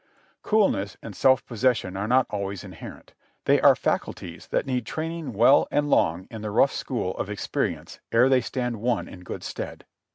Coolness and self possession are not always inherent ; they are faculties that need training well and long in the rough school of experience ere they stand one in good stead.